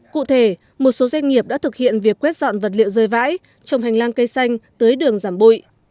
cụ thể một số doanh nghiệp đã thực hiện việc quét dọn vật liệu rơi vãi trong hành lang cây xanh tới đường giảm bụi